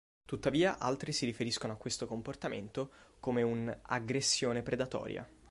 Tuttavia, altri si riferiscono a questo comportamento come un"'aggressione predatoria".